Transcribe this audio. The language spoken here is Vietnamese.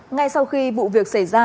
ngay sau khi vụ việc xảy ra